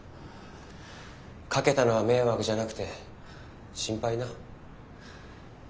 かけたのは迷惑じゃなくて心配な。